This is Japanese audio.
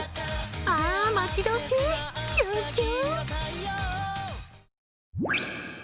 あぁ、待ち遠しい、キュンキュン。